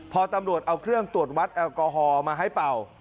พอตำรวจเอาเครื่องตรวจวัดแอลกอฮอล์มาให้เป่า